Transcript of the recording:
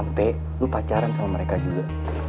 sampai lu pacaran sama mereka juga